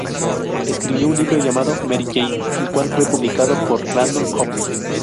Escribió un libro llamado "Mary Jane" el cual fue publicado por Random House.